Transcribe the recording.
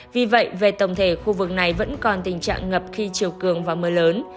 vì vậy về tổng thể khu vực này vẫn còn tình trạng ngập khi chiều cường và mưa lớn